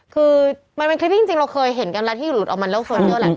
คือมันเป็นคลิปจริงเราเคยเห็นกันแล้วที่หลุดออกมาเล่าส่วนเยอะแหละ